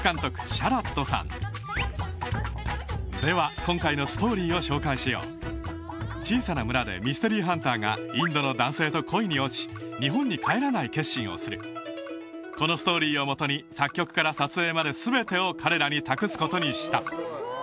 シャラットさんでは今回のストーリーを紹介しよう小さな村でミステリーハンターがインドの男性と恋に落ち日本に帰らない決心をするこのストーリーをもとに作曲から撮影まで全てを彼らに託すことにした